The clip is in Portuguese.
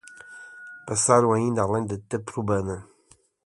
Passaram ainda além da Taprobana